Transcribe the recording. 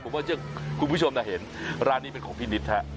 ผมว่าคุณผู้ชมเห็นร้านนี้เป็นของพี่นิดฮะ